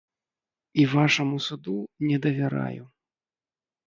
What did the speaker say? І вашаму суду не давяраю.